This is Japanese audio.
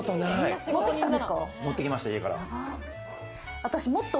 持ってきました、家から。